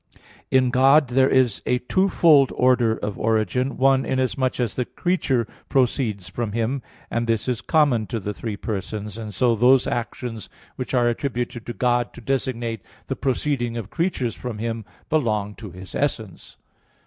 In God there is a twofold order of origin: one, inasmuch as the creature proceeds from Him, and this is common to the three persons; and so those actions which are attributed to God to designate the proceeding of creatures from Him, belong to His essence.